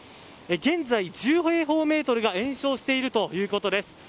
現在１０平方メートルが延焼しているということです。